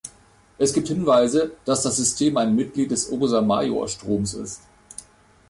Es gibt Hinweise, dass das System ein Mitglied des Ursa-Major-Stroms ist.